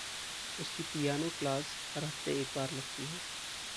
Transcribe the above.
उसकी piano class हर हफ़्ते एक बार लगती है।